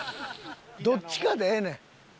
どっちかでええねん。